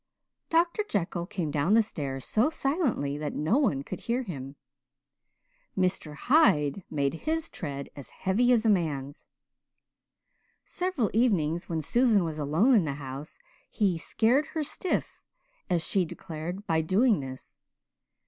Dr. Jekyll came down the stairs so silently that no one could hear him. Mr. Hyde made his tread as heavy as a man's. Several evenings, when Susan was alone in the house, he "scared her stiff," as she declared, by doing this.